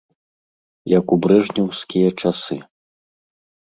Як у брэжнеўскія часы.